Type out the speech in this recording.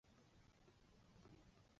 委员会总部设在卡宴附近的郊区。